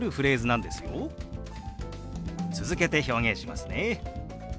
続けて表現しますね。